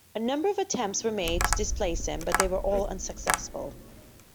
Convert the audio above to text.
A number of attempts were made to displace him, but they were all unsuccessful.